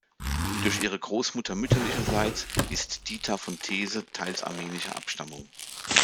Durch ihre Großmutter mütterlicherseits ist Dita Von Teese teils armenischer Herkunft.